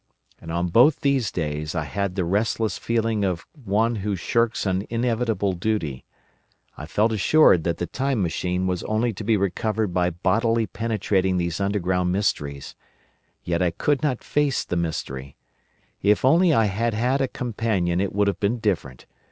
And on both these days I had the restless feeling of one who shirks an inevitable duty. I felt assured that the Time Machine was only to be recovered by boldly penetrating these mysteries of underground. Yet I could not face the mystery. If only I had had a companion it would have been different.